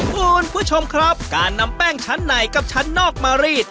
คุณผู้ชมครับการนำแป้งชั้นในกับชั้นนอกมารีด